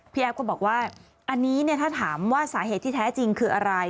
แอฟก็บอกว่าอันนี้ถ้าถามว่าสาเหตุที่แท้จริงคืออะไร